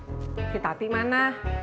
bikin teh mana